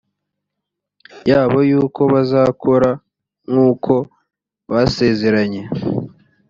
yabo yuko bazakora nk uko basezeranye